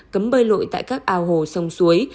cấm bơi lội tại các ao hồ sông suối